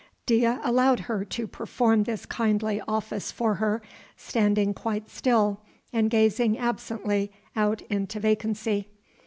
Dea allowed her to perform this kindly office for her, standing quite still and gazing absently out into vacancy.